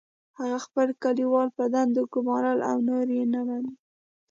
هغه خپل کلیوال په دندو ګماري او نور نه مني